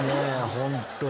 ホントに。